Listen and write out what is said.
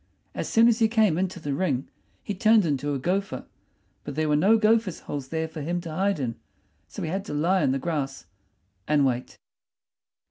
As soon as he came into the ring he turned into a gopher; but there were no gophers' holes there for him to hide in, so he had to lie in the grass and wait.